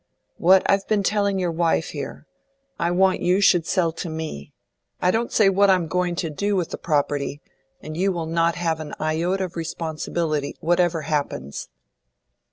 "What I've been telling your wife here. I want you should sell to me. I don't say what I'm going to do with the property, and you will not have an iota of responsibility, whatever happens."